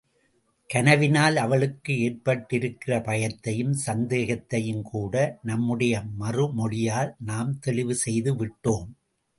கனவினால் அவளுக்கு ஏற்பட்டிருக்கிற பயத்தையும் சந்தேகத்தையும்கூட நம்முடைய மறுமொழியால் நாம் தெளிவு செய்துவிட்டோம்.